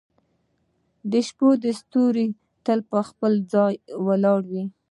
• د شپې ستوري تل په خپل ځای ولاړ وي.